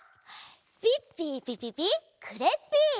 ピッピーピピピクレッピー！